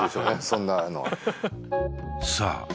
そんなのはさあ